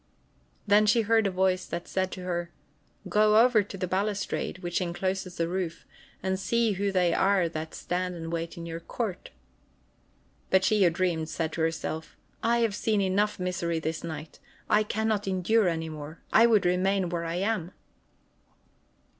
Then she heard a voice that said to her: "Go over to the balustrade, which incloses the roof, and see who they are that stand and wait in your court!" But she who dreamed said to herself: "I have seen enough misery this night. I can not endure any more. I would remain where I am."